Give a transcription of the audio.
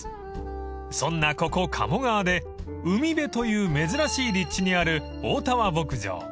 ［そんなここ鴨川で海辺という珍しい立地にある太田和牧場］